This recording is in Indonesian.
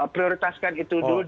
prioritaskan itu dulu